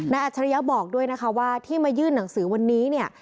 นาอัชริยะบอกด้วยว่าที่มายื่นหนังสือวันนี้